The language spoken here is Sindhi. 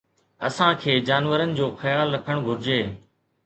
اسان کي جانورن جو خيال رکڻ گهرجي